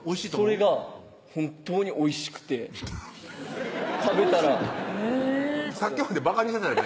それが本当においしくて食べたらへぇさっきまでバカにしてたよね